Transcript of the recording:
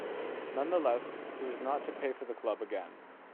Nonetheless, he was not to play for the club again.